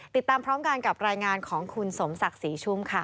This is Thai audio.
ติดตามพร้อมกันกับรายงานของคุณสมศักดิ์ศรีชุ่มค่ะ